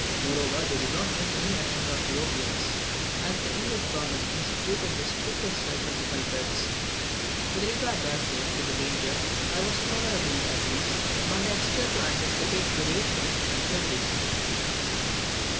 Moreover, they did not make any attempt upon Europeans, as the English government instituted the strictest search for the culprits. With regard, therefore, to the danger, I was tolerably at ease, but I had still to anticipate privation and fatigue.